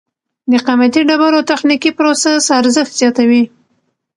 د قیمتي ډبرو تخنیکي پروسس ارزښت زیاتوي.